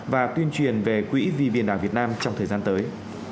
và tuyên truyền về quỹ vì biển đảo việt nam trong thời gian tới